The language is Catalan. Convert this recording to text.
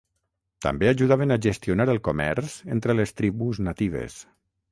També ajudaven a gestionar el comerç entre les tribus natives.